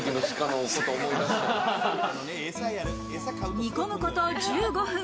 煮込むこと１５分。